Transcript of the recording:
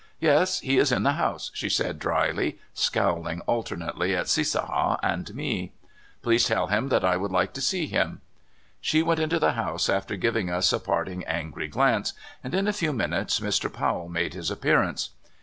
*'Yes; he is in the house," she said dryly, scowling alternately at Cissaha and me. Please tell him that I would like to see him." She went into the house after giving us a part ting angry glance, and in a few minutes Mr. Pow ell made his appearance.